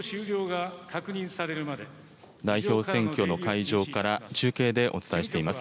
代表選挙の会場から、中継でお伝えしています。